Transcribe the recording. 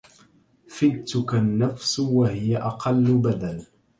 فدتك النفس وهي أقل بذل